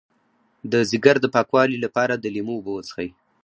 د ځیګر د پاکوالي لپاره د لیمو اوبه وڅښئ